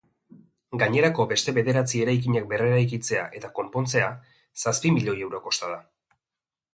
Gainerako beste bederatzi eraikinak berreraikitzea eta konpontzea zazpi milioi euro kosta da.